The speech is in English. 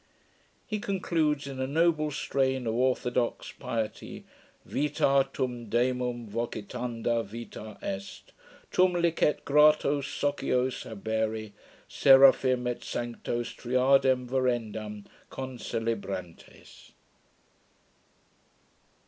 He concludes in a noble strain of orthodox piety: Vita tum demum vocitanda vita est. Tum licet gratos socios habere, Seraphim et sanctos Triadem verendam Concelebrantes.